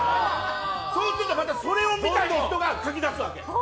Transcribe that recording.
そうすると、またそれを見た人が書き出すわけ。